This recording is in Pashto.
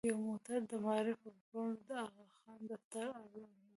یو موټر د معارف او بل د اغاخان دفتر اړوند و.